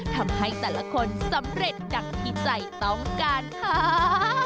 ทำให้แต่ละคนสำเร็จดังที่ใจต้องการค่ะ